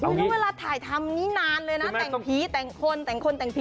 แล้วเวลาถ่ายทำนี้นานเลยนะแต่งผีแต่งคนแต่งคนแต่งผี